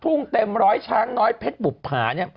ลูกทุ่งเต็มร้อยช้างน้อยเผ็ดบุบผ่านี่